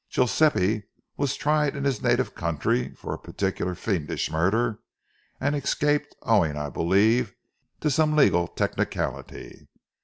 Guiseppe was tried in his native country for a particularly fiendish murder, and escaped, owing, I believe, to some legal technicality.